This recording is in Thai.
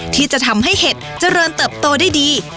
ที่จะทำให้เห็ดเจริญเติบโตได้ดี